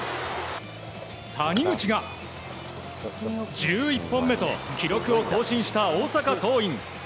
谷口が１１本目と記録を更新した大阪桐蔭。